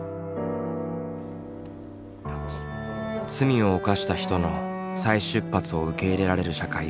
罪を犯した人の再出発を受け入れられる社会へ。